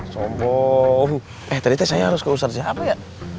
sombong eh tadi teh saya harus ke ustadz siapa ya